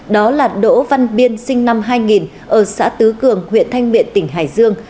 đó là đỗ văn biên sinh năm hai nghìn ở xã tứ cường huyện thanh miện tỉnh hải dương